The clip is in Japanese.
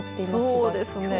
そうですね。